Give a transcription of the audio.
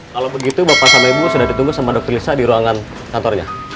kalau begitu bapak sama ibu sudah ditunggu sama dokter lisa di ruangan kantornya